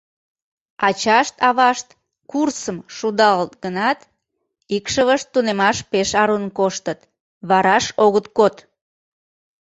Ачашт-авашт курсым шудалыт гынат, икшывышт тунемаш пеш арун коштыт, вараш огыт код.